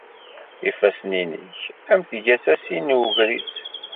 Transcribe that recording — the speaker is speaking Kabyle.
Ifassen-nnek am tgasasin n ugris.